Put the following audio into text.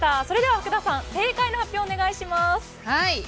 それでは福田さん正解の発表をお願いします。